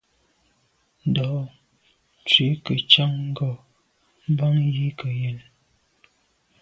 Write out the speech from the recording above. Ndo’ ntshui nke ntshan ngo’ bàn yi ke yen.